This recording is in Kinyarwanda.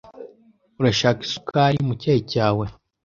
Urashaka isukari mucyayi cyawe?